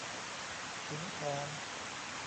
ขุนแผน